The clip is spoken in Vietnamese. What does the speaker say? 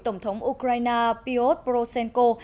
tổng thống ukraine piotr poroshenko